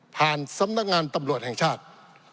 สำนักงานตำรวจแห่งชาติ